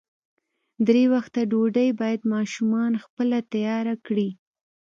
درې وخته ډوډۍ باید ماشومان خپله تیاره کړي.